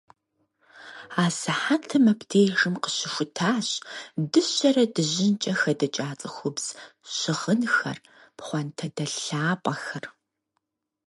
Асыхьэтым абдежым къыщыхутащ дыщэрэ дыжьынкӀэ хэдыкӀа цӀыхубз щыгъынхэр, пхъуантэдэлъ лъапӀэхэр.